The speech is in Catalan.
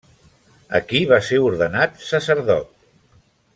Aquí va ser ordenat sacerdot.